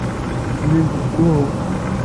Nnant-d uhu.